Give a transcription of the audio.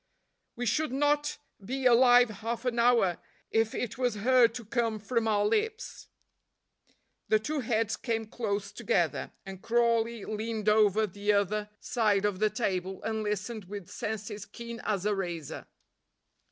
We should not be alive half an hour if it was heard to come from our lips." The two heads came close together, and Crawley leaned over the other side of the table and listened with senses keen as a razor.